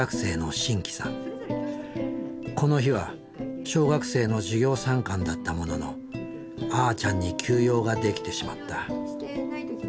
この日は小学生の授業参観だったもののあーちゃんに急用が出来てしまった。